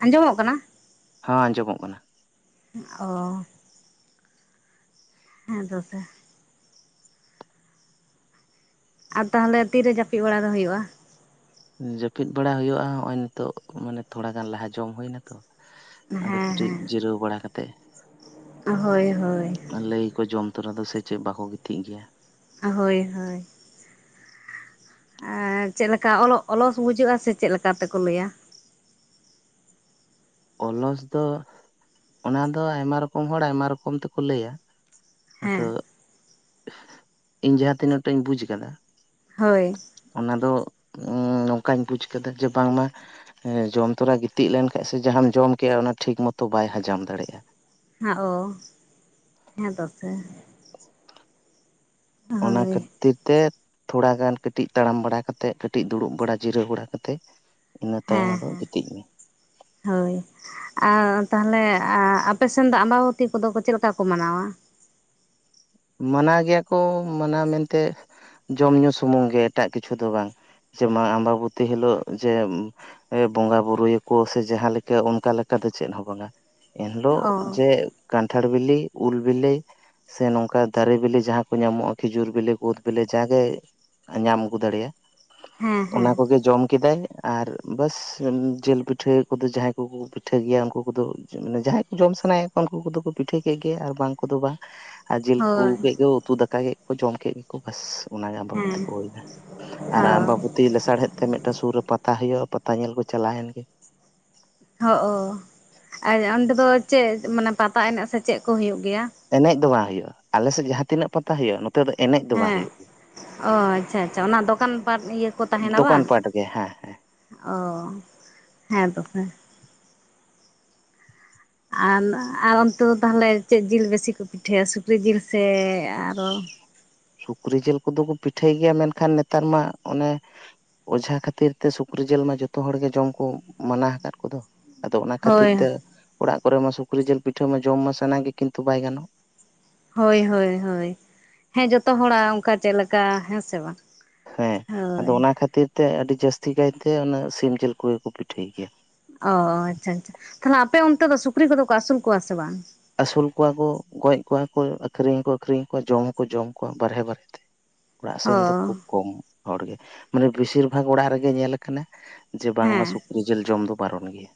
ᱟᱸᱡᱚᱢᱚᱜ ᱠᱟᱱᱟ ᱦᱮᱸ ᱟᱸᱡᱚᱢᱚᱜ ᱠᱟᱱᱟ ᱚ ᱦᱮᱸ ᱛᱚᱵᱮ ᱟᱨ ᱛᱟᱦᱚᱞᱮ ᱛᱤᱨᱮ ᱡᱟᱹᱯᱤᱫ ᱵᱟᱲᱟ ᱫᱚ ᱦᱩᱭᱩᱜ-ᱟ ᱡᱟᱹᱯᱤᱫ ᱵᱟᱲᱟ ᱦᱩᱭᱩᱜ-ᱟ ᱱᱚᱜ-ᱚᱭ ᱱᱤᱛᱚᱜ ᱢᱟᱱᱮ ᱛᱷᱚᱲᱟ ᱜᱟᱱ ᱞᱟᱦᱟ ᱡᱚᱢ ᱦᱩᱭ ᱱᱟᱛᱚ ᱟᱫᱚ ᱦᱮᱸ ᱠᱟᱹᱴᱤᱡ ᱦᱮᱸ ᱡᱤᱨᱟᱹᱣ ᱵᱟᱲᱟ ᱠᱟᱛᱮᱫ ᱦᱳᱭ ᱦᱳᱭ ᱞᱟᱹᱭ ᱟᱠᱚ ᱡᱚᱢ ᱛᱚᱨᱟ ᱫᱚ ᱥᱮ ᱪᱮᱫ ᱵᱟᱠᱚ ᱜᱤᱛᱤᱡ ᱜᱮᱭᱟ ᱦᱳᱭ ᱦᱳᱭ ᱪᱮᱫᱞᱮᱠᱟ ᱚᱞᱚᱜ ᱚᱞᱚᱥ ᱵᱩᱡᱩᱜ-ᱟ ᱥᱮ ᱪᱮᱫ ᱞᱮᱠᱟ ᱛᱮᱠᱚ ᱞᱟᱹᱭᱟ ᱚᱞᱚᱥ ᱫᱚ ᱚᱱᱟ ᱫᱚ ᱟᱭᱢᱟ ᱨᱚᱠᱚᱢ ᱦᱚᱲ ᱟᱭᱢᱟ ᱨᱚᱠᱚᱢ ᱛᱮᱠᱚ ᱞᱟᱹᱭᱟ ᱦᱮᱸ ᱟᱫᱚ ᱤᱧ ᱡᱟᱦᱟᱸ ᱛᱤᱱᱟᱹᱜ ᱴᱟᱜ ᱤᱧ ᱵᱩᱡᱽ ᱠᱟᱫᱟ ᱦᱳᱭ ᱚᱱᱟ ᱫᱚ ᱱᱚᱝᱠᱟᱧ ᱵᱩᱡ ᱠᱮᱫᱟ ᱡᱮ ᱵᱟᱝᱢᱟ ᱡᱚᱢ ᱛᱚᱨᱟ ᱜᱤᱛᱤᱡ ᱞᱮᱱᱠᱷᱟᱡ ᱥᱮ ᱥᱮ ᱡᱟᱦᱟᱢ ᱡᱚᱢ ᱠᱮᱫ-ᱟ ᱚᱱᱟ ᱴᱷᱤᱠ ᱢᱚᱛᱚ ᱵᱟᱭ ᱦᱟᱡᱟᱢ ᱫᱟᱲᱮᱭᱟᱜ-ᱟ᱾ ᱦᱮᱸ ᱚ ᱦᱮᱸ ᱫᱟᱠᱟ ᱚᱱᱟ ᱦᱳᱭ ᱠᱷᱟᱹᱛᱤᱨ ᱛᱮ ᱛᱷᱚᱲᱟ ᱜᱟᱱ ᱠᱟᱴᱤᱡ ᱛᱟᱲᱟᱢ ᱵᱟᱲᱟ ᱠᱟᱛᱮᱫ ᱠᱟᱹᱴᱤᱡ ᱫᱩᱲᱩᱵ ᱵᱟᱲᱟ ᱡᱤᱨᱟᱹᱣ ᱵᱟᱲᱟ ᱠᱟᱛᱮᱫ ᱤᱱᱟᱹ ᱛᱟᱭᱚᱢ ᱦᱮᱸ ᱟᱫᱚ ᱦᱮᱸ ᱜᱤᱛᱤᱡ ᱢᱮ ᱦᱳᱭ ᱟᱨ ᱛᱟᱦᱚᱞᱮ ᱟᱯᱮᱥᱮᱫ ᱫᱚ ᱟᱢᱵᱟᱵᱚᱛᱤ ᱠᱚᱫᱚ ᱪᱮᱫᱠᱟ ᱠᱚ ᱢᱟᱱᱟᱣᱟ ᱢᱟᱱᱟᱣ ᱜᱮᱭᱟ ᱠᱚ ᱢᱟᱱᱟᱣ ᱢᱮᱱᱛᱮ ᱡᱚᱢ ᱧᱩ ᱥᱩᱢᱩᱝ ᱜᱮ ᱮᱴᱟᱜ ᱠᱤᱪᱷᱩ ᱫᱚ ᱵᱟᱝ ᱡᱮᱢᱚᱱ ᱟᱢᱵᱟᱵᱚᱛᱤ ᱦᱤᱞᱚᱜ ᱡᱮ ᱵᱚᱸᱜᱟ ᱵᱩᱨᱩᱭᱟᱠᱚ ᱥᱮ ᱡᱟᱦᱟᱸ ᱞᱮᱠᱟ ᱚᱱᱠᱟ ᱞᱮᱠᱟ ᱫᱚ ᱪᱮᱫ ᱦᱚᱸ ᱵᱟᱝ-ᱟ ᱮᱱᱦᱤᱞᱚᱜ ᱚ ᱡᱮ ᱠᱟᱱᱴᱷᱟᱲ ᱵᱤᱞᱤ ᱩᱞ ᱵᱤᱞᱤ ᱥᱮ ᱱᱚᱝᱠᱟ ᱚᱱᱠᱟ ᱫᱟᱨᱮ ᱵᱤᱞᱤ ᱡᱟᱦᱟᱸ ᱠᱚ ᱧᱟᱢᱚᱜ-ᱟ ᱠᱷᱤᱡᱩᱨ ᱵᱤᱞᱤ ᱠᱳᱫᱽ ᱵᱤᱞᱤ ᱡᱟᱜᱮ ᱧᱟᱢ ᱟᱹᱜᱩ ᱫᱟᱲᱮᱭᱟᱜ-ᱟ ᱦᱮᱸ ᱚᱱᱟ ᱦᱮᱸ ᱠᱚᱜᱮ ᱡᱚᱢ ᱠᱮᱫᱟᱭ ᱟᱨ ᱵᱟᱥ ᱡᱤᱞ ᱯᱤᱴᱷᱟᱹ ᱠᱚᱫᱚ ᱡᱟᱦᱟᱸᱭ ᱠᱚᱠᱚ ᱯᱤᱴᱷᱟᱹ ᱜᱮᱭᱟ ᱩᱱᱠᱩ ᱠᱚᱫᱚ ᱡᱟᱦᱟᱸᱭ ᱡᱚᱢ ᱥᱟᱱᱟᱭᱮᱫ ᱠᱚᱣᱟ ᱩᱱᱠᱩ ᱠᱚᱫᱚ ᱠᱚ ᱯᱤᱴᱷᱟᱹ ᱠᱮᱫ ᱜᱮ ᱟᱨ ᱵᱟᱝ ᱠᱚᱫᱚ ᱵᱟᱝ ᱟᱨ ᱡᱤᱞ ᱠᱚ ᱦᱳᱭ ᱟᱹᱜᱩ ᱠᱮᱫ ᱜᱮ ᱩᱛᱩ ᱫᱟᱠᱟ ᱠᱮᱫ ᱠᱚ ᱠᱚ ᱡᱚᱢ ᱠᱮᱫ ᱜᱮᱠᱚ ᱵᱟᱥ ᱚᱱᱟᱜᱮ ᱟᱢᱵᱟᱵᱚᱛᱤ ᱦᱮᱸ ᱠᱚ ᱦᱩᱭᱱᱟ᱾ ᱟᱨ ᱦᱳᱭ ᱟᱢᱵᱟᱵᱚᱛᱤ ᱞᱮᱥᱟᱲᱦᱮᱫ ᱛᱮ ᱢᱤᱫᱴᱮᱱ ᱥᱩᱨ ᱨᱮ ᱯᱟᱛᱟ ᱦᱩᱭᱩᱜ-ᱟ ᱯᱟᱛᱟ ᱧᱮᱞ ᱠᱚ ᱪᱟᱞᱟᱣ ᱮᱱ ᱜᱮ ᱦᱚᱜ-ᱚ ᱟᱨ ᱚᱸᱰᱮ ᱫᱚ ᱪᱮᱫ ᱢᱟᱱᱮ ᱯᱟᱛᱟ ᱮᱱᱮᱡ ᱥᱮ ᱪᱮᱫ ᱠᱚ ᱦᱩᱭᱩᱜ ᱜᱮᱭᱟ ᱮᱱᱮᱡ ᱫᱚ ᱵᱟᱝ ᱦᱩᱭᱩᱜ-ᱟ ᱟᱞᱮᱥᱮᱫ ᱡᱟᱦᱟᱸ ᱛᱤᱱᱟᱹᱜ ᱯᱟᱛᱟ ᱦᱩᱭᱩᱜ-ᱟ ᱱᱚᱛᱮ ᱫᱚ ᱮᱱᱮᱡ ᱫᱚ ᱵᱟᱝ ᱦᱮᱸ ᱦᱩᱭᱩᱜ ᱜᱮᱭᱟ ᱚ ᱟᱪᱪᱷᱟ ᱟᱪᱪᱷᱟ ᱚᱱᱟ ᱫᱚᱠᱟᱱ ᱯᱟᱴ ᱤᱭᱟᱹ ᱠᱚ ᱛᱟᱦᱮᱱᱟ ᱵᱟᱝ ᱫᱚᱠᱟᱱ ᱯᱟᱴ ᱦᱮᱸ ᱦᱮᱸ ᱚ ᱦᱮᱸ ᱛᱚᱵᱮ ᱟᱨ ᱟᱨ ᱚᱱᱛᱮ ᱫᱚ ᱛᱟᱦᱚᱞᱮ ᱪᱮᱫ ᱡᱤᱞ ᱵᱮᱥᱤ ᱠᱚ ᱯᱤᱴᱷᱟᱹᱭᱟ ᱥᱩᱠᱨᱤ ᱡᱤᱞ ᱥᱮ ᱟᱨᱚ ᱥᱩᱠᱨᱤ ᱡᱤᱞ ᱠᱚᱫᱚ ᱠᱚ ᱯᱤᱴᱷᱟᱹᱭ ᱜᱮᱭᱟ ᱢᱮᱱᱠᱷᱟᱱ ᱱᱮᱛᱟᱨ ᱢᱟ ᱚᱱᱮ ᱚᱡᱷᱟ ᱠᱷᱟᱹᱛᱤᱨ ᱛᱮ ᱥᱩᱠᱨᱤ ᱡᱤᱞ ᱢᱟ ᱡᱚᱛᱚ ᱦᱚᱲ ᱜᱮ ᱡᱚᱢ ᱠᱚ ᱢᱟᱱᱟ ᱟᱠᱟᱫ ᱠᱚᱫᱚ ᱟᱫᱚ ᱚᱱᱟ ᱠᱷᱟᱹᱛᱤᱨ ᱦᱳᱭ ᱛᱮ ᱚᱲᱟᱜ ᱠᱚᱨᱮ ᱢᱟ ᱥᱩᱠᱨᱤ ᱡᱤᱞ ᱯᱤᱴᱷᱟᱹ ᱢᱟ ᱡᱚᱢ ᱢᱟ ᱥᱟᱱᱟ ᱜᱮ ᱠᱤᱱᱛᱩ ᱵᱟᱭ ᱜᱟᱱᱚᱜ-ᱟ ᱦᱳᱭ ᱦᱳᱭ ᱦᱳᱭ ᱦᱮᱸ ᱡᱚᱛᱚ ᱦᱚᱲᱟᱜ ᱚᱱᱠᱟ ᱪᱮᱫ ᱞᱮᱠᱟ ᱦᱮᱸ ᱥᱮ ᱵᱟᱝ ᱦᱮᱸ ᱟᱫᱚ ᱦᱳᱭ ᱚᱱᱟ ᱠᱷᱟᱹᱛᱤᱨ ᱛᱮ ᱟᱹᱰᱤ ᱡᱟᱹᱥᱛᱤ ᱠᱟᱭᱛᱮ ᱚᱱᱟ ᱥᱤᱢ ᱡᱤᱞ ᱠᱚᱜᱮ ᱠᱚ ᱯᱤᱴᱷᱟᱹᱭ ᱜᱮᱭᱟ᱾ ᱚᱻ ᱟᱪᱪᱷᱟ ᱟᱪᱪᱷᱟ ᱛᱟᱦᱚᱞᱮ ᱟᱯᱮ ᱚᱱᱛᱮ ᱫᱚ ᱥᱩᱠᱨᱤ ᱠᱚᱫᱚ ᱠᱚ ᱟᱹᱥᱩᱞ ᱠᱚᱣᱟ ᱥᱮ ᱵᱟᱝ ᱟᱹᱥᱩᱞ ᱠᱚᱣᱟ ᱠᱚ ᱜᱚᱡ ᱠᱚᱣᱟ ᱠᱚ ᱟᱹᱠᱷᱨᱤᱧᱠᱚ ᱟᱠᱷᱨᱤᱧ ᱠᱚᱣᱟ ᱡᱚᱢ ᱦᱚᱸᱠᱚ ᱡᱚᱢ ᱠᱚᱣᱟ ᱵᱟᱨᱦᱮ ᱵᱟᱨᱦᱮ ᱛᱮ ᱚᱲᱟᱜ ᱚ ᱥᱮᱱ ᱫᱚ ᱠᱷᱩᱵ ᱠᱚᱢ ᱦᱚᱲᱜᱮ ᱢᱟᱱᱮ ᱵᱮᱥᱤᱨ ᱵᱷᱟᱜᱽ ᱚᱲᱟᱜ ᱨᱮᱜᱮ ᱧᱮᱞ ᱠᱟᱱᱟ ᱡᱮ ᱵᱟᱝᱢᱟ ᱦᱮᱸ ᱥᱩᱠᱨᱤ ᱡᱤᱞ ᱡᱚᱢ ᱫᱚ ᱵᱟᱨᱚᱱ ᱜᱮᱭᱟ᱾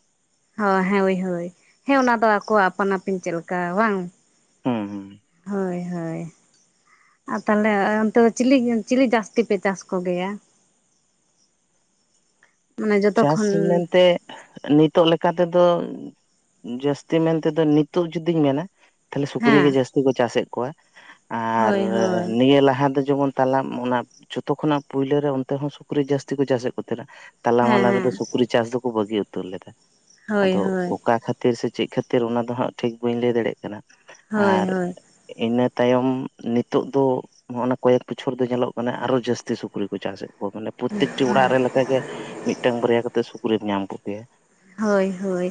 ᱦᱮ ᱦᱳᱭ ᱦᱳᱭ ᱦᱮᱸ ᱚᱱᱟ ᱫᱚ ᱟᱠᱚᱣᱟᱜ ᱟᱯᱟᱱ ᱟᱹᱯᱤᱱ ᱪᱮᱫ ᱞᱮᱠᱟ ᱵᱟᱝ ᱦᱮᱸ ᱦᱮᱸ ᱦᱳᱭ ᱦᱳᱭ ᱟᱨ ᱛᱟᱦᱚᱞᱮ ᱚᱱᱛᱮ ᱪᱤᱞᱤ ᱪᱤᱞᱤ ᱡᱟᱹᱥᱛᱤ ᱯᱮ ᱪᱟᱥ ᱠᱚᱜᱮᱭᱟ [inaudible] ᱪᱟᱥ ᱠᱷᱚᱱ ᱢᱮᱱᱛᱮ ᱱᱤᱛᱚᱜ ᱞᱮᱠᱟ ᱛᱮᱫᱚ ᱡᱟᱹᱥᱛᱤ ᱢᱮᱱ ᱛᱮᱫᱚ ᱱᱤᱛᱚᱜ ᱡᱩᱫᱤᱧ ᱢᱮᱱᱟ ᱛᱟᱦᱚᱞᱮ ᱥᱩᱠᱨᱤ ᱦᱮᱸ ᱜᱮ ᱡᱟᱹᱥᱛᱤ ᱠᱚ ᱪᱟᱥᱮᱫ ᱠᱚᱣᱟ, ᱟᱨ ᱦᱳᱭ ᱦᱳᱭ ᱱᱤᱭᱟᱹ ᱞᱟᱦᱟ ᱫᱚ ᱡᱮᱢᱚᱱ ᱛᱟᱞᱟ ᱚᱱᱟ ᱡᱚᱛᱚ ᱠᱷᱚᱱᱟᱜ ᱯᱳᱭᱞᱳ ᱨᱮ ᱚᱱᱛᱮ ᱦᱚᱸ ᱥᱩᱠᱨᱤ ᱡᱟᱹᱥᱛᱤ ᱠᱚ ᱪᱟᱥᱮᱫ ᱠᱚ ᱛᱟᱦᱮᱱᱟ ᱛᱟᱞᱟ ᱦᱮᱸ ᱢᱟᱞᱟ ᱦᱮᱸ ᱨᱮᱫᱚ ᱥᱩᱠᱨᱤ ᱪᱟᱥ ᱫᱚᱠᱚ ᱵᱟᱹᱜᱤ ᱩᱛᱟᱹᱨ ᱞᱮᱫᱟ ᱦᱳᱭ ᱟᱫᱚ ᱦᱳᱭ ᱚᱠᱟ ᱠᱷᱟ ᱠᱷᱟᱹᱛᱤᱨ ᱥᱮ ᱪᱮᱫ ᱠᱷᱟᱹᱛᱤᱨ ᱚᱱᱟ ᱫᱚ ᱦᱟᱸᱜ ᱴᱷᱤᱠ ᱵᱟᱹᱧ ᱞᱟᱹᱭ ᱫᱟᱲᱮᱭᱟᱜ ᱠᱟᱱᱟ ᱦᱳᱭ ᱟᱨ ᱦᱳᱭ ᱤᱱᱟᱹ ᱛᱟᱭᱚᱢ ᱱᱤᱛᱚᱜ ᱫᱚ ᱱᱚᱜᱼ ᱱᱟ ᱠᱚᱭᱮᱠ ᱵᱚᱪᱷᱚᱨ ᱫᱚ ᱧᱮᱞᱚᱜ ᱠᱟᱱᱟ ᱟᱨᱚ ᱡᱟᱹᱥᱛᱤ ᱥᱩᱠᱨᱤ ᱠᱚ ᱪᱟᱥᱮᱫ ᱢᱟᱱᱮ ᱯᱨᱚᱛᱮᱠᱴᱤ ᱚᱲᱟᱜ ᱨᱮ ᱞᱮᱠᱟᱜ ᱜᱮ ᱢᱤᱫᱴᱟᱝ ᱵᱟᱨᱭᱟ ᱠᱟ ᱠᱟᱛᱮ ᱥᱩᱠᱨᱤᱢ ᱧᱟᱢ ᱠᱚᱜᱮᱭᱟ ᱦᱳᱭ ᱦᱳᱭ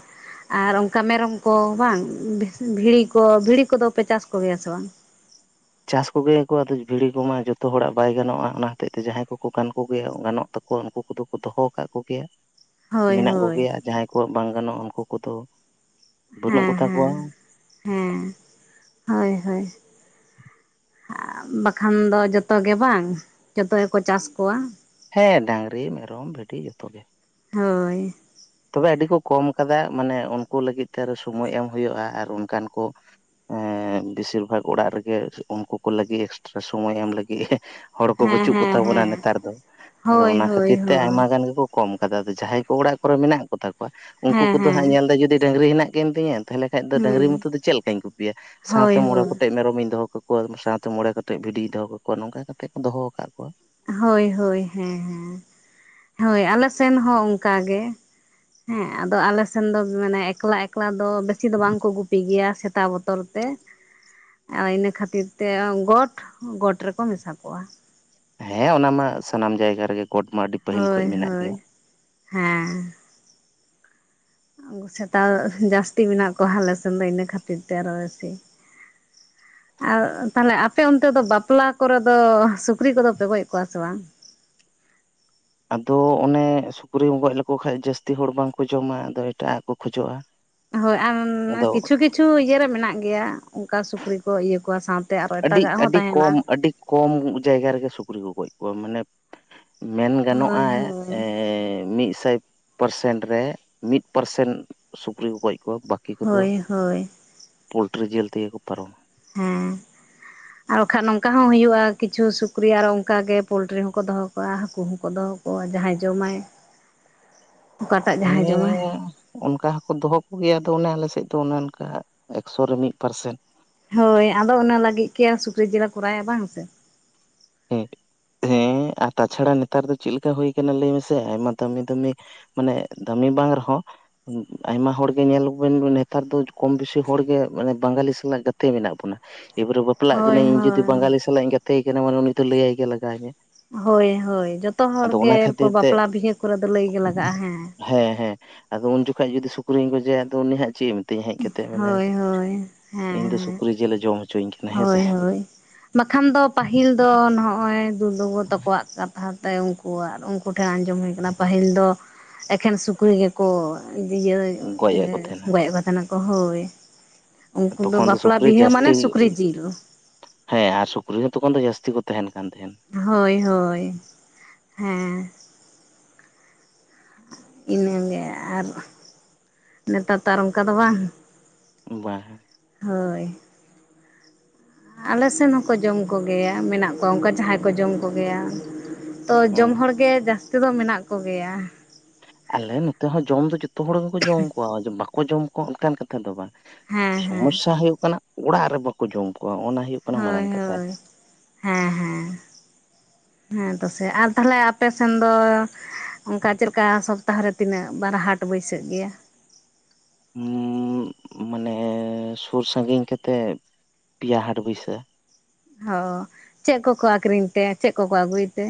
ᱟᱨ ᱚᱱᱠᱟ ᱢᱮᱨᱚᱢ ᱠᱚ ᱵᱟᱝ ᱵᱷᱤᱲᱤ ᱠᱚ ᱵᱷᱤᱲᱤ ᱠᱚᱫᱚᱯᱮ ᱪᱟᱥ ᱠᱚᱜᱮᱭᱟ ᱥᱮ ᱵᱟᱝ ᱪᱟᱥ ᱠᱚᱜᱮᱭᱟᱠᱚ ᱟᱫᱚ ᱵᱷᱤᱲᱤ ᱠᱚᱢᱟ ᱡᱚᱛᱚ ᱦᱚᱲᱟᱜ ᱵᱟᱭ ᱜᱟᱱᱚᱜ-ᱟ ᱚᱱᱟ ᱦᱚᱛᱮᱡ ᱛᱮ ᱡᱟᱦᱟᱸᱭ ᱠᱚᱠᱚ ᱜᱟᱱ ᱠᱚᱜᱮᱭᱟ ᱜᱟᱱᱚᱜ ᱛᱟᱠᱚᱣᱟ ᱩᱱᱠᱩ ᱠᱚᱫᱚ ᱠᱚ ᱫᱚᱦᱚ ᱟᱠᱟᱫ ᱠᱚᱜᱮᱭᱟ ᱦᱳᱭ ᱢᱮᱱᱟᱜ ᱦᱳᱭ ᱠᱚᱜᱮᱭᱟ ᱡᱟᱦᱟᱸᱭ ᱠᱚᱣᱟᱜ ᱵᱟᱝ ᱜᱟᱱᱚᱜ-ᱟ ᱩᱱᱠᱩ ᱠᱚᱫᱚ ᱵᱟᱹᱱᱩᱜ ᱦᱮᱸ ᱠᱚᱛᱟ ᱦᱮᱸ ᱠᱚᱣᱟ ᱦᱮᱸ ᱦᱳᱭ ᱦᱳᱭ ᱵᱟᱠᱷᱟᱱ ᱫᱚ ᱡᱚᱛᱚ ᱜᱮ ᱵᱟᱝ ᱡᱚᱛᱚ ᱜᱮᱠᱚ ᱪᱟᱥ ᱠᱚᱣᱟ ᱦᱮᱸ ᱰᱟᱝᱨᱤ ᱢᱮᱨᱚᱢ ᱵᱷᱤᱰᱤ ᱡᱚᱛᱚ ᱜᱮ ᱦᱳᱭ ᱛᱚᱵᱮ ᱟᱹᱰᱤ ᱠᱚ ᱠᱚᱢ ᱠᱟᱫᱟ ᱢᱟᱱᱮ ᱩᱱᱠᱩ ᱞᱟᱹᱜᱤᱫ ᱛᱮᱚ ᱥᱳᱚᱢᱚᱭ ᱮᱢ ᱦᱩᱭᱩᱜᱭᱜ-ᱟ ᱟᱨ ᱚᱱᱠᱟᱱ ᱠᱚ ᱮᱸ ᱵᱮᱥᱤᱨ ᱵᱷᱟᱜ ᱚᱲᱟᱜ ᱨᱮᱜᱮ ᱩᱱᱠᱩ ᱠᱚ ᱞᱟᱹᱜᱤᱫ ᱮᱠᱥᱴᱨᱟ ᱥᱚᱢᱚᱭ ᱮᱢ ᱞᱟᱹᱜᱤᱫ ᱦᱚᱲ ᱠᱚ ᱦᱮᱸ ᱵᱟᱹᱪᱩᱜ ᱦᱮᱸ ᱠᱚᱛᱟ ᱵᱚᱱᱟ ᱦᱮᱸ ᱱᱮᱛᱟᱨ ᱫᱚ ᱟᱫᱚ ᱦᱳᱭ ᱚᱱᱟ ᱦᱳᱭ ᱠᱷᱟᱹᱛᱤᱨ ᱛᱮ ᱦᱳᱭ ᱟᱭᱢᱟ ᱜᱟᱱ ᱜᱮᱠᱚ ᱠᱚᱢ ᱠᱟᱫᱟ ᱟᱫᱚ ᱡᱟᱦᱟᱸᱭ ᱠᱚ ᱚᱲᱟᱜ ᱠᱚᱨᱮ ᱢᱮᱱᱟᱜ ᱠᱚᱛᱟ ᱠᱚᱣᱟ ᱩᱱᱠᱩ ᱦᱮᱸ ᱠᱚᱫᱚ ᱦᱮᱸ ᱦᱟᱸᱜ ᱧᱮᱞ ᱮᱫᱟ ᱡᱩᱫᱤ ᱰᱟᱹᱝᱨᱤ ᱦᱮᱱᱟᱜ ᱠᱤᱱ ᱛᱤᱧᱟᱹ ᱛᱟᱦᱚᱞᱮ ᱠᱷᱟᱱ ᱫᱚ ᱦᱩᱸ ᱰᱟᱝᱨᱤ ᱢᱚᱛᱚ ᱫᱚ ᱪᱮᱫ ᱞᱮᱠᱟᱧ ᱠᱩᱯᱤᱭᱟ ᱦᱳᱭ ᱥᱟᱶᱛᱮ ᱢᱚᱬᱮ ᱦᱳᱭ ᱠᱚᱴᱮᱡ ᱢᱮᱨᱚᱢᱤᱧ ᱫᱚᱦᱚ ᱠᱟ ᱠᱚᱣᱟ ᱥᱟᱶᱛᱮ ᱢᱚᱬᱮ ᱠᱟᱛᱮᱫ ᱵᱷᱤᱰᱤᱭ ᱫᱚᱦᱚ ᱠᱟᱠᱚᱣᱟ ᱱᱚᱝᱠᱟ ᱠᱟᱛᱮ ᱠᱚ ᱫᱚᱦᱚ ᱟᱠᱟᱫ ᱠᱚᱣᱟ ᱦᱳᱭ ᱦᱳᱭ ᱦᱮᱸ ᱦᱮᱸ ᱦᱳᱭ ᱟᱞᱮ ᱥᱮᱱ ᱦᱚᱸ ᱚᱱᱠᱟ ᱜᱮ ᱦᱮᱸ ᱟᱫᱚ ᱟᱞᱮᱥᱮᱱ ᱫᱚ ᱢᱟᱱᱮ ᱮᱠᱞᱟ ᱮᱠᱞᱟ ᱫᱚ ᱵᱮᱥᱤ ᱫᱚ ᱵᱟᱝᱠᱚ ᱜᱩᱯᱤ ᱜᱮᱭᱟ ᱥᱮᱛᱟ ᱵ ᱵᱚᱛᱚᱨ ᱛᱮ ᱤᱱᱟᱹ ᱠᱷᱟᱹᱛᱤᱨ ᱛᱮ ᱜᱚᱴ ᱜᱚᱴ ᱨᱮᱠᱚ ᱢᱮᱥᱟ ᱠᱚᱜ-ᱟ ᱦᱮᱸ ᱚᱱᱟ ᱢᱟ ᱥᱟᱱᱟᱢ ᱡᱟᱭᱜᱟ ᱨᱮᱜᱮ ᱠᱳᱴ ᱢᱟ ᱟᱹᱰᱤ ᱯᱟᱹᱦᱤᱞ ᱠᱷᱚᱡ ᱦᱳᱭ ᱢᱮᱱᱟᱜ ᱜᱮᱭᱟ ᱦᱳᱭ ᱦᱮᱸ ᱩᱱᱠᱩ ᱥᱮᱛᱟ ᱡᱟᱹᱥᱛᱤ ᱢᱮᱱᱟᱜ ᱠᱚᱣᱟ ᱟᱞᱮᱥᱮᱱ ᱫᱚ ᱤᱱᱟᱹ ᱠᱷᱟᱹᱛᱤᱨ ᱛᱮ ᱟᱨᱚ ᱵᱮᱥᱤ [unintelligible] ᱟᱨ ᱛᱟᱦᱞᱮ ᱟᱯᱮ ᱚᱱᱛᱮ ᱫᱚ ᱵᱟᱯᱞᱟ ᱠᱚᱨᱮ ᱫᱚ ᱥᱩᱠᱨᱤ ᱠᱚᱫᱚ ᱯᱮ ᱜᱚᱡ ᱠᱚᱣᱟ ᱥᱮ ᱵᱟᱝ ᱟᱫᱚ ᱚᱱᱮ ᱥᱩᱠᱨᱤᱢ ᱜᱚᱡ ᱞᱮᱠᱚ ᱠᱷᱟᱱ ᱡᱟᱹᱥᱛᱤ ᱦᱚᱲ ᱵᱟᱝᱠᱚ ᱡᱚᱢᱟ ᱟᱫᱚ ᱮᱴᱟᱜ-ᱟᱜ ᱠᱚ ᱠᱷᱚᱡᱚᱜ-ᱟ ᱦᱳᱭ ᱟᱨ ᱠᱤᱪᱷᱩ ᱠᱤᱪᱷᱩ ᱤᱭᱟᱹᱮ ᱨᱮ ᱢᱮᱱᱟᱜ ᱜᱮᱭᱟ ᱚᱱᱠᱟ ᱥᱩᱠᱨᱤ ᱠᱚ ᱤᱭᱟᱹ ᱠᱚᱣᱟ ᱥᱟᱶᱛᱮ ᱟᱨᱚ ᱟᱹᱰᱤ ᱮᱴᱟᱜᱟᱜ ᱦᱚᱸ ᱟᱹᱰᱤ ᱛᱟᱦᱮᱱᱟ ᱠᱚᱢ ᱟᱹᱰᱤ ᱠᱚᱢ ᱡᱟᱭᱜᱟ ᱨᱮᱜᱮ ᱥᱩᱠᱨᱤ ᱠᱚ ᱜᱚᱡᱽ ᱠᱚᱣᱟ ᱢᱟᱱᱮ ᱢᱮᱱ ᱜᱟᱱᱚᱜ-ᱟ ᱦᱳᱭ ᱦᱳᱭ ᱢᱤᱫᱥᱟᱭ ᱯᱟᱨᱥᱮᱱ ᱨᱮ ᱢᱤᱫ ᱯᱟᱨᱥᱮᱱ ᱥᱩᱠᱨᱤ ᱠᱚ ᱜᱚᱡ ᱠᱚᱣᱟ ᱵᱟᱹᱠᱤ ᱠᱚᱫᱚ ᱦᱳᱭ ᱦᱳᱭ ᱯᱳᱞᱴᱨᱤ ᱡᱤᱞ ᱛᱮᱜᱮ ᱠᱚ ᱯᱟᱨᱚᱢᱟ ᱦᱮᱸ ᱟᱨ ᱵᱟᱠᱷᱟᱱ ᱱᱚᱝᱠᱟ ᱦᱚᱸ ᱦᱩᱭᱩᱜ-ᱟ ᱠᱤᱪᱷᱩ ᱥᱩᱠᱨᱤ ᱟᱨᱚ ᱚᱱᱠᱟᱟᱜ ᱜᱮ ᱯᱳᱞᱴᱨᱤ ᱦᱚᱸᱠᱚ ᱫᱚᱦᱚ ᱠᱟᱜ-ᱟ ᱦᱟᱹᱠᱩ ᱦᱚᱸᱠᱚ ᱫᱚᱦᱚ ᱠᱚᱣᱟ ᱚ ᱡᱟᱦᱟᱸᱭ ᱡᱚᱢᱟᱭ ᱚᱠᱟᱴᱟᱜ ᱡᱟᱦᱟᱸᱭ ᱡᱚᱢᱟᱭ ᱦᱮᱸ ᱚᱱᱠᱟ ᱦᱚᱸᱠᱚ ᱫᱚᱦᱚ ᱠᱚᱜᱮᱭᱟ ᱟᱫᱚ ᱚᱱᱮ ᱟᱞᱮᱥᱮᱫ ᱫᱚ ᱚᱱᱮ ᱚᱱᱠᱟ ᱮᱠᱥᱚ ᱨᱮ ᱢᱤᱫ ᱯᱟᱨᱥᱮᱱ ᱦᱳᱭ ᱟᱫᱚ ᱚᱱᱟ ᱞᱟᱹᱜᱤᱫ ᱜᱮ ᱥᱩᱠᱨᱤ ᱡᱤᱞᱮ ᱠᱚᱨᱟᱭᱟ ᱵᱟᱝ ᱥᱮ ᱦᱮᱸ [inaudible] ᱦᱮᱸ ᱟᱨ ᱛᱟᱪᱷᱟᱲᱟ ᱱᱮᱛᱟᱨ ᱫᱚ ᱪᱮᱫᱮ ᱞᱮᱠᱟ ᱦᱩᱭ ᱟᱠᱟᱱᱟ ᱞᱟᱹᱭ ᱢᱮᱥᱮ ᱟᱭᱢᱟ ᱫᱟᱹᱢᱤ ᱫᱟᱹᱢᱤ ᱢᱟᱱᱮ ᱫᱟᱹᱢᱤ ᱵᱟᱝ ᱨᱮᱦᱚᱸ ᱟᱭᱢᱟ ᱦᱚᱲᱜᱮ ᱧᱮᱞᱵᱚᱱ ᱱᱮᱛᱟᱨ ᱫᱚ ᱠᱚᱢ ᱵᱮᱥᱤ ᱦᱚᱲᱜᱮ ᱵᱟᱝᱜᱟᱞᱤ ᱥᱟᱞᱟᱜ ᱜᱟᱛᱮ ᱢᱮᱱᱟᱜ ᱵᱚᱱᱟ ᱮᱵᱟᱨᱮ ᱵᱟᱯᱞᱟᱜ ᱦᱳᱭ ᱠᱟᱹᱱᱟᱹᱧ ᱡᱩᱫᱤ ᱦᱳᱭ ᱵᱟᱝᱜᱟᱞᱤ ᱥᱟᱞᱟᱜ ᱤᱧ ᱜᱟᱛᱮᱭ ᱠᱟᱱᱟ ᱢᱟᱱᱮ ᱩᱱᱤ ᱫᱚ ᱞᱟᱹᱭᱟᱭ ᱜᱮ ᱞᱟᱜᱟᱣᱤᱧᱟ ᱦᱳᱭ ᱦᱳᱭ ᱡᱚᱛᱚ ᱦᱚᱲ ᱜᱮ ᱮᱨᱯᱚᱨ ᱛᱮ ᱵᱟᱯᱞᱟ ᱵᱤᱦᱟᱹ ᱠᱚᱨᱮ ᱫᱚ ᱞᱟᱹᱭ ᱜᱮᱮ ᱞᱟᱜᱟᱜ-ᱟ ᱦᱮᱸ ᱦᱮᱸ ᱦᱮᱸ ᱟᱫᱚ ᱩᱱ ᱡᱚᱠᱷᱚᱡ ᱡᱩᱫᱤ ᱥᱩᱠᱨᱤᱧ ᱠᱚᱡᱮᱭᱟ ᱟᱫᱚ ᱩᱱᱤ ᱦᱟᱜ ᱪᱮᱫ ᱮ ᱢᱮ ᱛᱤᱧ ᱦᱮᱡ ᱠᱟᱛᱮᱫ ᱢᱮᱱᱟ ᱦᱳᱭ ᱦᱳᱭ ᱦᱮᱸ ᱤᱧ ᱫᱚ ᱦᱮᱸ ᱥᱩᱠᱨᱤ ᱡᱤᱞᱮ ᱡᱚᱢ ᱦᱚᱪᱚ ᱦᱳᱭ ᱦᱳᱭ ᱵᱟᱠᱷᱟᱱ ᱫᱚ ᱯᱟᱹᱦᱤᱞ ᱫᱚ ᱱᱚᱜ-ᱚᱭ ᱩ ᱫᱟᱜᱩ ᱛᱟᱠᱚᱣᱟᱜ ᱠᱟᱛᱷᱟ ᱛᱮ ᱩᱱᱠᱩᱣᱟᱜ ᱩᱱᱠᱩ ᱴᱷᱮᱱ ᱟᱸᱡᱚᱢ ᱦᱩᱭ ᱟᱠᱟᱱᱟ ᱯᱟᱹᱦᱤᱞ ᱫᱚ ᱮᱠᱷᱮᱱ ᱥᱩᱠᱨᱤ ᱜᱮᱠᱚ ᱤᱭᱟᱹ ᱜᱚᱡᱮᱫ ᱠᱚ ᱛᱟᱦᱮᱱᱟ ᱜᱚᱡᱮᱫ ᱠᱚ ᱛᱟᱦᱮᱱᱟ ᱦᱳᱭ ᱩᱱᱠᱩ ᱫᱚ ᱛᱚᱠᱷᱚᱱ ᱵᱟᱯᱞᱟ ᱥᱩᱠᱨᱤ ᱵᱤᱦᱟᱹ ᱢᱟᱱᱮ ᱡᱟᱹᱥᱛᱤ ᱥᱩᱠᱨᱤ ᱡᱤᱞ ᱦᱮᱸ ᱟᱨ ᱥᱩᱠᱨᱤ ᱦᱚᱸ ᱛᱚᱠᱷᱚᱱ ᱫᱚ ᱡᱟᱹᱥᱛᱤ ᱠᱚ ᱛᱟᱦᱮᱱ ᱠᱟᱱ ᱛᱟᱦᱮᱸᱱ ᱦᱳᱭ ᱦᱳᱭ ᱦᱮᱸ ᱤᱱᱟᱹᱜᱮ ᱟᱨ ᱱᱮᱛᱟᱨ ᱛᱚ ᱟᱨ ᱚᱱᱠᱟ ᱫᱚ ᱵᱟᱝ ᱵᱟᱻᱦᱟ ᱦᱳᱭ ᱟᱞᱮ ᱥᱮᱱ ᱦᱚᱸᱠᱚ ᱡᱚᱢ ᱠᱚᱜᱮᱭᱟ ᱢᱮᱱᱟᱜ ᱠᱚᱣᱟ ᱚᱱᱠᱟ ᱡᱟᱦᱟᱸᱭ ᱠᱚ ᱡᱚᱢ ᱠᱚᱜᱮᱭᱟ ᱛᱚ ᱦᱮᱸ ᱡᱚᱢ ᱦᱚᱲᱜᱮ ᱡᱟᱹᱥᱛᱤ ᱫᱚ ᱢᱮᱱᱟᱜ ᱠᱚᱜᱮᱭᱟ ᱟᱞᱮ ᱱᱚᱛᱮ ᱦᱚᱸ ᱡᱚᱢ ᱫᱚ ᱡᱚᱛᱚ ᱦᱚᱲ ᱜᱮᱠᱚ ᱡᱚᱢ ᱠᱚᱣᱟ ᱵᱟᱠᱚ ᱡᱚᱢ ᱠᱚᱣᱟ ᱚᱱᱠᱟᱱ ᱠᱟ ᱫᱚ ᱵᱟᱝ ᱦᱮᱸ ᱦᱮᱸ ᱥᱚᱢᱚᱥᱥᱟ ᱦᱩᱭᱩᱜ ᱠᱟᱱᱟ ᱚᱲᱟᱜ ᱨᱮ ᱵᱟᱠᱚ ᱡᱚᱢ ᱠᱚᱣᱟ ᱚᱱᱟ ᱦᱩᱭᱩᱜ ᱠᱟᱱᱟ ᱦᱳᱭ ᱢᱟᱨᱟᱝ ᱠᱟᱛᱷᱟ ᱦᱳᱭ ᱦᱮᱸ ᱦᱮᱸ ᱦᱮᱸ ᱛᱚ ᱥᱮ ᱟᱨ ᱛᱟᱦᱞᱮ ᱟᱯᱮ ᱥᱮᱱ ᱫᱚ ᱚᱱᱠᱟ ᱪᱮᱫᱠᱟ ᱥᱚᱯᱛᱟᱦᱚ ᱨᱮ ᱛᱤᱱᱟᱹᱜ ᱵᱟᱨ ᱦᱟᱴ ᱵᱟᱹᱭᱥᱟᱹᱜ ᱜᱮᱭᱟ᱾ ᱩᱻ ᱢᱟᱱᱮ ᱥᱩᱨ ᱥᱟᱺᱜᱤᱧ ᱠᱟᱛᱮᱫ ᱯᱮᱭᱟ ᱦᱟᱴ ᱵᱟᱹᱭᱥᱟᱹ ᱚ ᱪᱮᱫ ᱠᱚᱠᱚ ᱟᱠᱷᱨᱤᱧ ᱛᱮ ᱪᱮᱫ ᱠᱚᱠᱚ ᱟᱹᱜᱩᱭ ᱛᱮ᱾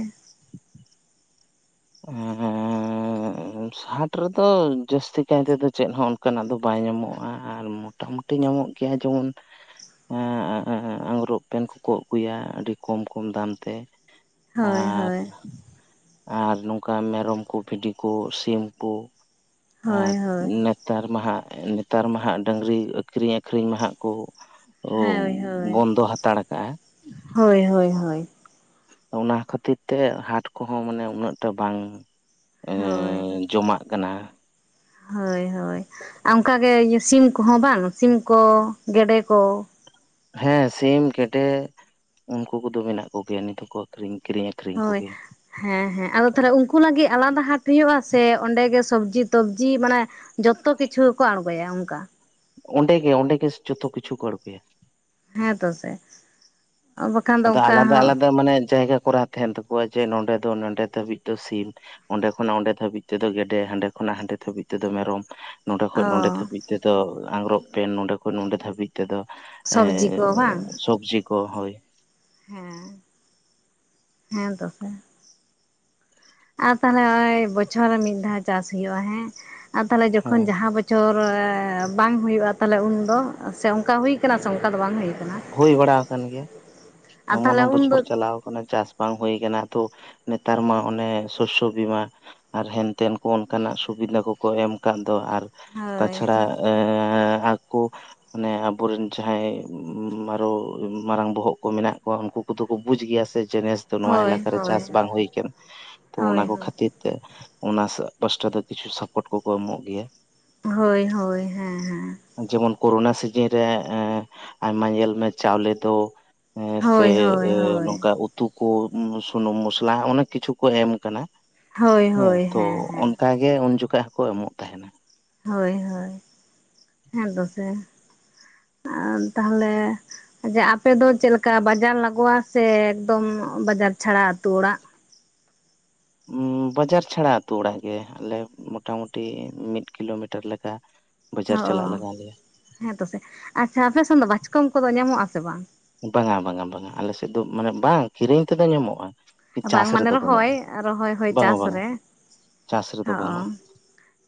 [unintelligible] ᱥᱟᱴ ᱨᱮᱫᱚ ᱡᱟᱹᱥᱛᱤ ᱠᱟᱭᱛᱮᱫᱚ ᱪᱮᱫ ᱦᱚᱸ ᱚᱱᱠᱟᱱᱟᱜ ᱫᱚ ᱵᱟᱭ ᱧᱟᱢᱚᱜ-ᱟ ᱟᱨ ᱢᱚ ᱢᱳᱴᱟᱢᱩᱴᱤ ᱧᱟᱢᱚᱜ ᱜᱮᱭᱟ ᱡᱮᱢᱚᱱ ᱮᱻᱮ ᱟᱝᱜᱽᱨᱚᱵ ᱯᱮᱱ ᱠᱚᱠᱚ ᱟᱹᱜᱩᱭᱟ ᱟᱹᱰᱤ ᱠᱚᱢ ᱠᱚᱢ ᱫᱟᱢ ᱛᱮ ᱦᱳᱭ ᱟᱨ ᱦᱳᱭ ᱟᱨ ᱱᱚᱝᱠᱟ ᱢᱮᱨᱚᱢ ᱠᱚ ᱵᱷᱤᱰᱤ ᱠᱩ ᱥᱤᱢ ᱠᱚ ᱦᱳᱭ ᱟᱨ ᱦᱳᱭ ᱱᱮᱛᱟᱨ ᱢᱟᱦᱟᱜ ᱱᱮᱛᱟᱨ ᱢᱟᱦᱟᱜ ᱰᱟᱹᱝᱨᱤ ᱟᱹᱠᱷᱨᱤᱧ ᱟᱹᱠᱷᱨᱤᱧ ᱢᱟ ᱦᱟᱜ ᱠᱚ ᱦᱳᱭ ᱦᱳᱭ ᱵᱚᱱᱫᱚ ᱦᱟᱛᱟᱲ ᱠᱟᱜ-ᱟ᱾ ᱦᱳᱭ ᱦᱳᱭ ᱦᱳᱭ ᱚᱱᱟ ᱠᱷᱟᱹᱛᱤᱨ ᱛᱮ ᱦᱟᱴ ᱠᱚᱦᱚᱸ ᱢᱟᱱᱮ ᱩᱱᱟᱹᱜ ᱴᱟᱜ ᱵᱟᱝ ᱦᱳᱭ ᱡᱚᱢᱟᱜ ᱠᱟᱱᱟ᱾ ᱠᱟᱱᱟ ᱦᱳᱭ ᱦᱳᱭ ᱟᱨ ᱚᱱᱠᱟᱜᱮ ᱥᱤᱢ ᱠᱚᱦᱚᱸ ᱵᱟᱝ ᱥᱤᱢ ᱠᱚ ᱜᱮᱰᱮ ᱠᱚ ᱦᱮᱸ ᱥᱤᱢ ᱜᱮᱰᱮ ᱩᱱᱠᱩ ᱠᱚᱫᱚ ᱢᱮᱱᱟᱜ ᱠᱚᱜᱮᱭᱟ ᱱᱤᱛ ᱦᱚᱸᱠᱚ ᱟᱹᱷᱨᱤᱧ ᱠᱤᱨᱤᱧ ᱟᱠ ᱦᱳᱭ ᱦᱮᱸ ᱦᱮᱸ ᱟᱫᱚ ᱛᱟᱦᱞᱮ ᱩᱱᱠᱩ ᱞᱟᱹᱜᱤᱫ ᱟᱞᱟᱫᱟ ᱦᱟᱴ ᱦᱩᱭᱩᱜ-ᱟ ᱥᱮ ᱚᱸᱰᱮᱜᱮ ᱥᱚᱵᱽᱡᱤ ᱛᱚᱵᱡᱤ ᱢᱟᱱᱮ ᱡᱚᱛᱚ ᱠᱤᱪᱷᱩ ᱜᱮᱠᱚ ᱟᱬᱜᱚᱭᱟ ᱚᱱᱠᱟ ᱚᱸᱰᱮ ᱜᱮ ᱚᱸᱰᱮ ᱜᱮ ᱡᱚᱛᱚ ᱠᱤᱪᱷᱩ ᱠᱚ ᱟᱬᱜᱚᱭᱟ ᱦᱮᱸ ᱛᱚ ᱥᱮ ᱵᱟᱠᱷᱟᱱ ᱫᱚ ᱟᱫᱚ ᱚᱱᱠᱟ ᱟᱞᱟᱫᱟ ᱦᱚᱸ ᱟᱞᱟᱫᱟ ᱢᱟᱱᱮ ᱡᱟᱭᱜᱟ ᱠᱚᱨᱟᱸᱱ ᱛᱟᱠᱚᱣᱟ ᱡᱮ ᱱᱚᱰᱮ ᱫᱚ ᱱᱚᱰᱮ ᱫᱷᱟᱹᱵᱤᱡ ᱫᱚ ᱥᱤᱢ ᱚᱸᱰᱮ ᱠᱷᱚᱱᱟᱜ ᱚᱸᱰᱮ ᱫᱷᱟᱹᱵᱤᱡ ᱛᱮᱫᱚ ᱜᱮᱰᱮ ᱦᱟᱸᱰᱮ ᱠᱷᱚᱱᱟᱜ ᱦᱟᱸᱰᱮ ᱫᱷᱟᱹᱵᱤᱡ ᱛᱮᱫᱚ ᱢᱮᱨᱚᱢ ᱱᱚᱰᱮ ᱚ ᱠᱷᱚᱱ ᱱᱚᱰᱮ ᱫᱷᱵᱤᱡ ᱛᱮᱫᱚ ᱟᱝᱜᱽᱨᱚᱵ ᱯᱮᱱ ᱱᱚᱰᱮ ᱠᱷᱚᱱ ᱱᱚᱰᱮ ᱫᱷᱟᱹᱵᱤᱡ ᱛᱮᱫᱚ ᱮ ᱥᱚᱵᱽᱡᱤ ᱠᱚ ᱵᱟᱝ ᱥᱚᱵᱡᱤ ᱠᱚ ᱦᱳᱭ ᱦᱮᱸ ᱦᱮᱸ ᱛᱚᱥᱮ ᱟᱨ ᱛᱟᱦᱞᱮ ᱵᱚᱪᱷᱚᱨ ᱨᱮ ᱢᱤᱫ ᱫᱷᱟᱣ ᱪᱟᱥ ᱦᱩᱭᱩᱜ-ᱟ ᱦᱮᱸ ᱟᱨ ᱛᱟᱦᱞᱮ ᱦᱮᱸ ᱡᱚᱠᱷᱚᱱ ᱡᱟᱦᱟᱸ ᱵᱚᱪᱷᱚᱨ ᱪᱚᱨᱻ ᱵᱟᱝ ᱦᱩᱭᱩᱜ-ᱟ ᱛᱟᱦᱚᱞᱮ ᱩᱱᱫᱚ ᱥᱮ ᱚᱱᱠᱟ ᱦᱩᱭ ᱟᱠᱟᱱᱟ ᱥᱮ ᱚᱱᱠᱟᱫᱚ ᱵᱟᱝ ᱦᱩᱭᱠᱟᱱᱟ ᱦᱩᱭ ᱵᱟᱲᱟ ᱟᱠᱟᱱ ᱜᱮᱭᱟ ᱮᱢᱚᱱ ᱛᱟᱦᱚᱞᱮ ᱦᱚᱸ ᱩᱱᱫᱚ ᱵᱚᱪᱷᱚᱨ ᱪᱟᱞᱟᱣ ᱟᱠᱟᱱᱟ ᱪᱟᱥ ᱵᱟᱝ ᱦᱩᱭ ᱟᱠᱟᱱᱟ ᱛᱚ ᱱᱮᱛᱟᱨ ᱢᱟ ᱚᱱᱮ ᱥᱚᱥᱥᱚ ᱵᱤᱢᱟ ᱟᱨ ᱦᱮᱱᱛᱮᱱ ᱠᱚ ᱚᱱᱠᱟᱱᱟᱜ ᱥᱩᱵᱤᱫᱷᱟ ᱠᱚᱠᱚ ᱮᱢ ᱟᱠᱟᱫ ᱫᱚ ᱟᱨ ᱦᱳᱭ ᱛᱟᱪᱷᱟᱲᱟ ᱟᱠᱚ ᱢᱟᱱᱮ ᱟᱵᱚᱨᱮᱱ ᱡᱟᱦᱟᱸᱭ ᱟᱨᱚ ᱢᱟᱨᱟᱝ ᱵᱚᱦᱚᱜ ᱠᱚ ᱢᱮᱱᱟᱜ ᱠᱚᱣᱟ ᱩᱱᱠᱩ ᱠᱚᱫᱚ ᱠᱚ ᱵᱩᱡ ᱜᱮᱭᱟ ᱥᱮ ᱡᱮᱱᱮᱥ ᱛᱚ ᱱᱚᱣᱟ ᱦᱳᱭ ᱮᱞᱟᱠᱟᱨᱮ ᱦᱳᱭ ᱪᱟᱥ ᱵᱟᱝ ᱦᱩᱩ ᱟᱠᱟᱱᱟ ᱛᱚ ᱦᱳᱭ ᱚᱱᱟ ᱦᱳᱭ ᱠᱚ ᱠᱷᱟᱹᱛᱤᱨ ᱛᱮ ᱚᱱᱟ ᱯᱟᱥᱴᱟ ᱫᱚ ᱠᱤᱪᱷᱩ ᱥᱟᱯᱚᱴ ᱠᱚᱠᱚ ᱮᱢᱚᱜ ᱜᱮᱭᱟ ᱦᱳᱭ ᱦᱳᱭ ᱦᱮᱸ ᱦᱮᱸ ᱡᱮᱢᱚᱱ ᱠᱳᱨᱳᱱᱟ ᱥᱤᱡᱤᱱ ᱨᱮ ᱟᱭᱢᱟ ᱧᱮᱞ ᱢᱮ ᱪᱟᱣᱞᱮ ᱫᱚ ᱥᱮ ᱦᱳᱭ ᱦᱳᱭ ᱦᱳᱭ ᱱᱚᱝᱠᱟ ᱩ ᱩᱛᱩ ᱠᱚ ᱥᱩᱱᱩᱢ ᱢᱚᱥᱞᱟ ᱚᱱᱮᱠ ᱠᱤᱪᱷᱩ ᱠᱚ ᱮᱢ ᱟᱠᱟᱱᱟ ᱦᱳᱭ ᱦᱮᱸ ᱦᱳᱭ ᱛᱚ ᱦᱮᱸ ᱚᱱᱠᱟ ᱜᱮ ᱩᱱ ᱡᱚᱠᱷᱟ ᱦᱚᱸᱠᱚ ᱮᱢᱚᱜ ᱛᱟᱦᱮᱱᱟ ᱦᱳᱭ ᱦᱳᱭ ᱦᱮᱸ ᱛᱚᱥᱮ ᱟᱨ ᱛᱟᱦᱚᱞᱮ ᱡᱮ ᱟᱯᱮ ᱫᱚ ᱪᱮᱫ ᱞᱮᱠᱟ ᱵᱟᱡᱟᱨ ᱞᱟᱜᱟᱜ-ᱟ ᱥᱮ ᱮᱠᱫᱚᱢ ᱵᱟᱡᱟᱨ ᱪᱷᱟᱲᱟ ᱟᱹᱛᱩ ᱚᱲᱟᱜ ᱩᱻ ᱵᱟᱡᱟᱨ ᱪᱷᱟᱲᱟ ᱟᱹᱛᱩ ᱚᱲᱟᱜ ᱜᱮ ᱟᱞᱮ ᱢᱚᱴᱟ ᱢᱩᱴᱤ ᱢᱤᱫ ᱠᱤᱞᱳᱢᱤᱴᱟᱨ ᱞᱮᱠᱟ᱾ [inaudible] ᱦᱚᱜ-ᱚ ᱞᱟᱜᱟᱣ ᱞᱮᱭᱟ ᱦᱮᱸᱛᱚ ᱥᱮ ᱟᱪᱪᱷᱟ ᱟᱯᱮᱥᱮᱱ ᱫᱚ ᱵᱟᱪᱠᱚᱢ ᱠᱚᱫᱚ ᱧᱟᱢᱚᱜ ᱟᱥᱮ ᱵᱟᱝ᱾ ᱵᱟᱝᱟ ᱵᱟᱝᱟ ᱵᱟᱝᱟ ᱟᱞᱮᱥᱮᱫ ᱫᱚ ᱢᱟᱱᱮ ᱵᱟᱝ ᱠᱤᱨᱤᱧ ᱛᱮᱫᱚ ᱧᱟᱢᱚᱜ-ᱟ᱾ ᱵᱟᱝ ᱢᱟᱱᱮ ᱨᱚᱦᱚᱭ ᱨᱚᱦᱚᱭ ᱦᱚᱭ ᱵᱟᱝᱟ ᱪᱟᱥ ᱵᱟᱝᱟ ᱨᱮ ᱪᱟᱥ ᱨᱮᱫᱚ ᱦᱚᱜ-ᱚ ᱵᱟᱹᱱᱩᱜᱼᱟ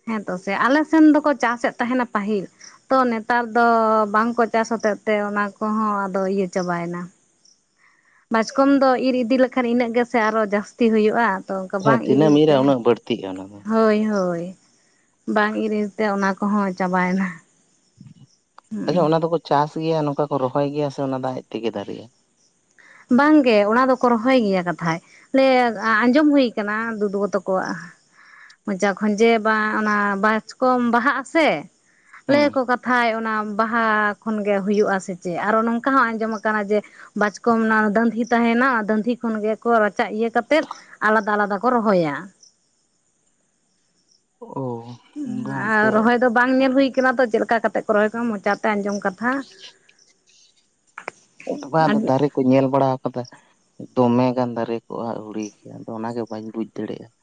ᱦᱮᱸᱛᱚ ᱥᱮ ᱟᱞᱮ ᱥᱮᱱ ᱫᱚᱠᱚ ᱪᱟᱥᱮᱫ ᱛᱟᱦᱮᱱᱟ ᱯᱟᱹᱦᱤᱞ ᱛᱚ ᱱᱮᱛᱟᱨ ᱫᱚ ᱵᱟᱝ ᱠᱚ ᱪᱟᱥ ᱦᱚᱛᱮᱫ ᱛᱮ ᱚᱱᱟ ᱠᱚᱦᱚᱸ ᱟᱫᱚ ᱤᱭᱟᱹ ᱪᱟᱵᱟᱭᱮᱱᱟ ᱵᱟᱪᱠᱚᱢ ᱫᱚ ᱤᱨ ᱤᱫᱤ ᱞᱮᱠᱷᱟᱱ ᱤᱱᱟᱹᱜ ᱜᱮᱥᱮ ᱟᱨᱚ ᱦᱚᱸ ᱡᱟᱹᱥᱛᱤ ᱦᱩᱭᱩᱜ-ᱟ᱾ ᱛᱚ ᱚᱱᱠᱟ ᱦᱮᱸ ᱵᱟᱝ ᱤᱨ ᱛᱤᱱᱟᱹᱜ ᱮᱢ ᱤᱫᱤ ᱛᱮ ᱤᱨᱟ ᱩᱱᱟᱹᱜ ᱵᱟᱹᱲᱛᱤᱜᱼᱟ ᱚᱱᱟ ᱫᱚ ᱦᱳᱭ ᱦᱳᱭ ᱵᱟᱝ ᱤᱨ ᱤᱨ ᱛᱮ ᱚᱱᱟ ᱠᱚᱦᱚᱸ ᱪᱟᱵᱟᱭᱮᱱᱟ ᱟᱪᱪᱷᱟ ᱦᱩᱸ ᱚᱱᱟ ᱫᱚᱠᱚ ᱪᱟᱥ ᱜᱮᱭᱟ ᱱᱚᱝᱠᱟ ᱠᱚ ᱨᱚᱦᱚᱭ ᱜᱮᱭᱟ ᱥᱮ ᱚᱱᱟ ᱫᱚ ᱟᱡ ᱛᱮᱜᱮ ᱫᱟᱨᱮᱜ-ᱟ᱾ ᱵᱟᱝᱜᱮ ᱚᱱᱟ ᱫᱚᱠᱚ ᱨᱚᱦᱚᱭ ᱜᱮᱭᱟ ᱠᱟᱛᱷᱟᱡ ᱞᱟᱹᱭ ᱟᱸᱡᱚᱢ ᱦᱩᱭ ᱟᱠᱟᱱᱟ ᱫᱩᱫᱩᱜᱚ ᱛᱟᱠᱚᱣᱟᱜ ᱢᱚᱪᱟ ᱠᱷᱚᱱ ᱡᱮ ᱚᱱᱟ ᱵᱟᱪᱠᱚᱢ ᱵᱟᱦᱟᱜ ᱟᱥᱮ ᱞᱟᱹᱭ ᱦᱩᱸ ᱟᱠᱚ ᱠᱟᱛᱷᱟᱡ ᱚᱱᱟ ᱵᱟᱦᱟ ᱠᱷᱚᱱ ᱜᱮ ᱦᱩᱭᱩᱜ-ᱟᱥᱮ ᱪᱮᱫ ᱟᱨᱚ ᱱᱚᱝᱠᱟ ᱦᱚᱸ ᱟᱸᱡᱚᱢ ᱟᱠᱟᱱᱟ ᱡᱮ ᱵᱟᱪ ᱠᱚᱢ ᱫᱟᱺᱫᱷᱤ ᱛᱟᱦᱮᱱᱟ ᱚᱱᱟ ᱫᱟᱺᱫᱷᱤ ᱠᱷᱚᱱ ᱜᱮᱠᱚ ᱨᱟᱪᱟ ᱤᱭᱟᱹ ᱠᱟᱛᱮᱜ ᱟᱞᱟᱫᱟ ᱟᱞᱟᱫᱟ ᱠᱚ ᱨᱚᱦᱚᱭᱟ ᱚ ᱟᱨ ᱨᱚᱦᱚᱭ ᱫᱚ ᱵᱟᱝ ᱧᱮᱞ ᱦᱩᱭ ᱟᱠᱟᱱᱟ ᱛᱚ ᱪᱮᱫ ᱞᱮᱠᱟ ᱠᱟᱛᱮᱜ ᱠᱚ ᱨᱚᱦᱚᱭ ᱠᱟᱜ ᱢᱚᱪᱟᱛᱮ ᱟᱸᱡᱚᱢ ᱠᱟᱛᱷᱟ ᱵᱟᱝ ᱟᱫᱚ ᱫᱟᱨᱮ ᱠᱚ ᱧᱮᱞ ᱵᱟᱲᱟ ᱟᱠᱟᱫᱟ ᱫᱚᱢᱮ ᱜᱟᱱ ᱫᱟᱨᱮ ᱠᱚᱜ-ᱟ ᱟᱹᱣᱲᱤ ᱜᱮ ᱟᱫᱚ ᱚᱱᱟᱜᱮ ᱵᱟᱹᱧ ᱵᱩᱡᱽ ᱫᱟᱲᱮᱭᱟᱜ-ᱟ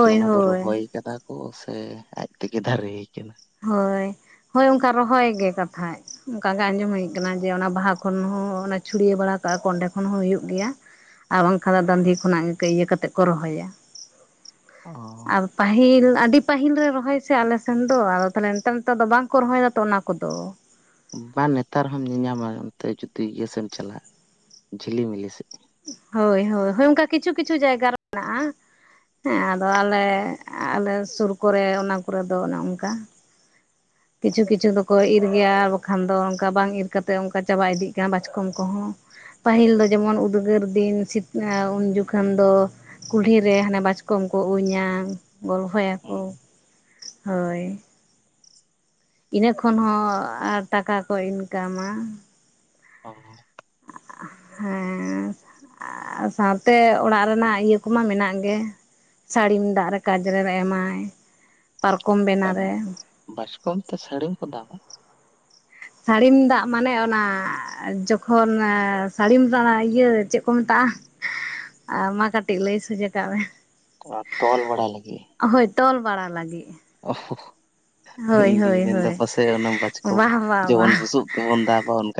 ᱡᱮ ᱚᱱᱟ ᱫᱚ ᱦᱳᱭ ᱨᱚᱦᱚᱭ ᱠᱟᱫᱟ ᱠᱚ ᱥᱮ ᱟᱡ ᱛᱮᱜᱮ ᱫᱟᱨᱮ ᱠᱟᱱᱟ ᱦᱳᱭ ᱦᱳᱭ ᱚᱱᱠᱟ ᱨᱚᱦᱚᱭ ᱜᱮ ᱠᱟᱛᱷᱟᱡ ᱚᱱᱠᱟᱜᱮ ᱟᱸᱡᱚᱢ ᱦᱳᱭ ᱟᱠᱟᱱᱟ ᱡᱮ ᱚᱱᱟ ᱵᱟᱦᱟ ᱠᱷᱚᱱ ᱦᱚᱸ ᱪᱷᱩᱲᱭᱟᱹ ᱵᱟᱲᱟ ᱠᱟᱜ-ᱟ ᱠᱚ ᱚᱱᱰᱮ ᱠᱷᱚᱱ ᱦᱚᱸ ᱦᱳᱭᱳᱜ ᱜᱮᱭᱟ ᱟᱨ ᱵᱟᱝᱠᱷᱟᱱ ᱫᱚ ᱫᱟᱺᱫᱷᱤ ᱠᱷᱚᱱᱟᱜ ᱤᱭᱟᱹ ᱠᱟᱛᱮᱫ ᱠᱚ ᱨᱚᱦᱚᱭᱟ ᱚ ᱟᱨ ᱯᱟᱹᱦᱤᱞ ᱟᱹᱰᱤ ᱯᱟᱹᱦᱤᱞ ᱨᱮ ᱨᱚᱦᱚᱭ ᱥᱮ ᱟᱞᱮ ᱥᱮᱱ ᱫᱚ ᱛᱟᱦᱚᱞᱮ ᱱᱮᱛᱟᱨ ᱱᱮᱛᱟᱨ ᱫᱚ ᱵᱟᱝᱠᱚ ᱨᱚᱦᱚᱭ ᱫᱟ ᱛᱚ ᱚᱱᱟ ᱠᱚᱫᱚ ᱵᱟᱝ ᱱᱮᱛᱟᱨ ᱦᱚᱸᱢ ᱧᱮᱞᱧᱟᱢᱟ ᱚᱱᱛᱮ ᱡᱩᱫᱤ ᱤᱭᱟᱹ ᱥᱮᱫ ᱮᱢ ᱪᱟᱞᱟᱜ-ᱟ ᱡᱷᱤᱞᱤᱢᱤᱞᱤ ᱥᱮᱫ ᱦᱳᱭ ᱦᱳᱭ ᱦᱳᱭ ᱚᱱᱠᱟ ᱠᱤᱪᱷᱩ ᱠᱤᱪᱷᱩ ᱡᱟᱭᱜᱟ ᱨᱮ ᱢᱮᱱᱟᱜ-ᱟ ᱦᱮᱸ ᱟᱫᱚ ᱟᱞᱮ ᱟᱞᱮ ᱥᱩᱨ ᱠᱚᱨᱮ ᱚᱱᱟ ᱠᱚᱨᱮ ᱫᱚ ᱚᱱᱮ ᱚᱱᱠᱟ ᱠᱤᱪᱷᱩ ᱠᱤᱪᱷᱩ ᱫᱚᱠᱚ ᱤᱨ ᱜᱮᱭᱟ ᱟᱨ ᱵᱟᱠᱷᱟᱱ ᱫᱚ ᱚᱱᱠᱟ ᱵᱟᱝ ᱤᱨ ᱠᱟᱛᱮ ᱚᱱᱠᱟ ᱪᱟᱵᱟ ᱤᱫᱤᱜ ᱠᱟᱱᱟ ᱵᱟᱪᱠᱚᱢ ᱠᱚᱦᱚᱸ ᱯᱟᱹᱦᱤᱞ ᱫᱚ ᱡᱮᱢᱚᱱ ᱩᱫᱽᱜᱟᱹᱨ ᱫᱤᱱ ᱩᱱ ᱡᱚᱠᱷᱚᱱ ᱫᱚ ᱠᱩᱞᱦᱤᱨᱮ ᱦᱟᱱᱮ ᱵᱟᱪᱠᱚᱢ ᱠᱚ ᱩᱧᱟ ᱜᱚᱞᱯᱷᱚᱭᱟᱠᱚ ᱦᱳᱭ ᱤᱱᱟᱹ ᱠᱷᱚᱱ ᱦᱚᱸ ᱴᱟᱠᱟ ᱠᱚ ᱤᱱᱠᱟᱢᱟ ᱚ ᱦᱮᱸ ᱥᱟᱶᱛᱮ ᱚᱲᱟᱜ ᱨᱮᱱᱟᱜ ᱤᱭᱟᱹ ᱠᱚᱢᱟ ᱢᱮᱱᱟᱜ ᱜᱮ ᱥᱟᱹᱲᱤᱢ ᱫᱟᱜ ᱨᱮ ᱠᱟᱡᱽᱨᱮ ᱮᱢᱟᱭ ᱯᱟᱨᱠᱚᱢ ᱵᱮᱱᱟᱣᱨᱮ ᱵᱟᱪᱠᱚᱢ ᱛᱮ ᱥᱟᱹᱲᱤᱢ ᱠᱚ ᱫᱟᱵᱟ ᱥᱟᱹᱲᱤᱢ ᱫᱟᱵ ᱢᱟᱱᱮ ᱚᱱᱟ ᱡᱚᱠᱷᱚᱱ ᱥᱟᱹᱲᱤᱢ ᱤᱭᱟᱹ ᱪᱮᱫ ᱠᱚ ᱢᱮᱛᱟᱜ-ᱟ ᱟᱻ ᱢᱟ ᱠᱟᱹᱴᱤᱡ ᱞᱟᱹᱭ ᱥᱚᱡᱮ ᱠᱟᱜ ᱢᱮ ᱛᱚᱞ ᱵᱟᱲᱟ ᱞᱟᱹᱜᱤᱜ ᱦᱳᱭ ᱛᱚᱞ ᱵᱟᱲᱟ ᱞᱟᱹᱜᱤᱫ ᱚ ᱦᱳᱭ ᱤᱧᱫᱩᱧ ᱦᱳᱭ ᱢᱮᱱᱫᱟ ᱦᱳᱭ ᱯᱟᱥᱮᱡ ᱚᱱᱟ ᱢᱟᱪᱠᱚᱢ ᱵᱟᱦ ᱵᱟᱦ ᱡᱮᱢᱚᱱ ᱵᱟᱦ ᱵᱩᱥᱩᱵ ᱵᱚᱱ ᱫᱟᱵᱟ ᱚᱱᱠᱟ